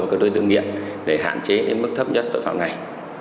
các đối tượng nghiện để hạn chế đến mức thấp nhất tội phạm này